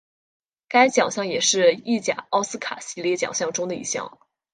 该奖项也是意甲奥斯卡系列奖项中的一项。